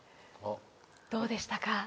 どうでしたか？